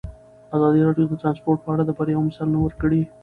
ازادي راډیو د ترانسپورټ په اړه د بریاوو مثالونه ورکړي.